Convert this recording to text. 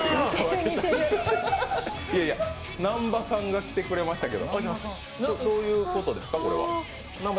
南波さんが来てくれましたけど、どういうことですかこれは？